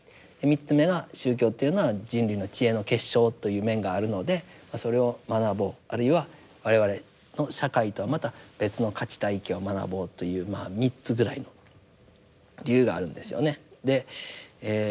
３つ目が宗教っていうのは人類の知恵の結晶という面があるのでそれを学ぼうあるいは我々の社会とはまた別の価値体系を学ぼうというまあ３つぐらいの理由があるんですよね。